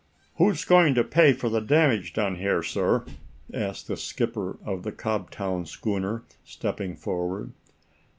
"Who's going to pay for the damage done here, sir?" asked the skipper of the Cobtown schooner, stepping forward.